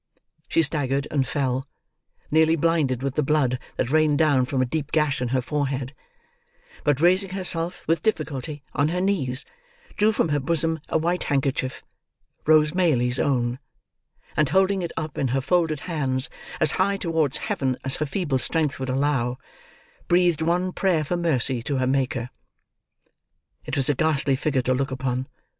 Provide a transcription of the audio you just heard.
She staggered and fell: nearly blinded with the blood that rained down from a deep gash in her forehead; but raising herself, with difficulty, on her knees, drew from her bosom a white handkerchief—Rose Maylie's own—and holding it up, in her folded hands, as high towards Heaven as her feeble strength would allow, breathed one prayer for mercy to her Maker. It was a ghastly figure to look upon.